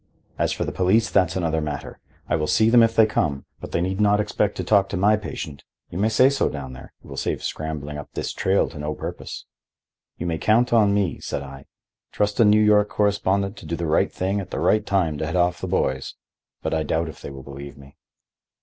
As for the police, that's another matter. I will see them if they come, but they need not expect to talk to my patient. You may say so down there. It will save scrambling up this trail to no purpose." "You may count on me," said I; "trust a New York correspondent to do the right thing at the right time to head off the boys. But I doubt if they will believe me."